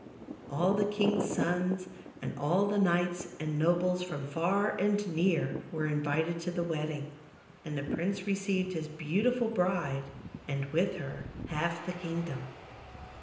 All the king's sons, and all the knights and nobles from far and near, were invited to the wedding. And the prince received his beautiful bride and with her half the kingdom.